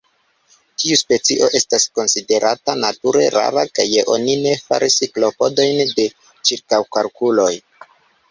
Tiu specio estas konsiderata nature rara, kaj oni ne faris klopodojn de ĉirkaŭkalkuloj.